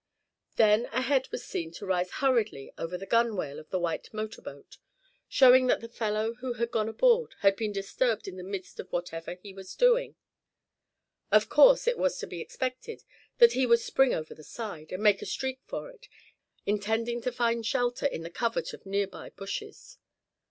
Then a head was seen to rise hurriedly above the gunwale of the white motor boat, showing that the fellow who had gone aboard, had been disturbed in the midst of whatever he was doing. Of course it was to be expected that he would spring over the side, and make a streak for it, intending to find shelter in the covert of nearby bushes.